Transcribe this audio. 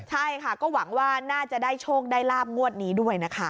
ใช่ค่ะก็หวังว่าน่าจะได้โชคได้ลาบงวดนี้ด้วยนะคะ